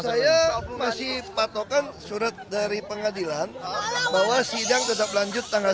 saya masih patokan surat dari pengadilan bahwa sidang tetap lanjut tanggal